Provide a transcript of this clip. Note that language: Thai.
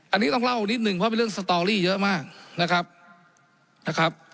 อันนี้ต้องเล่านิดนึงเพราะเป็นเรื่องสตอรี่เยอะมากนะครับนะครับ